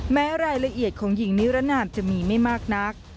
แม้รายละเอียดของหญิงนิรนามจะมีไม่มากนัก